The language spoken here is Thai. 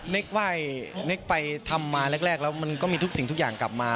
กว่าเน็กไปทำมาแรกแล้วมันก็มีทุกสิ่งทุกอย่างกลับมา